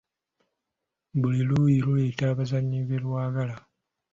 Buli luuyi luleeta abazannyi be lwagala.